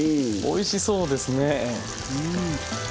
おいしそうですね。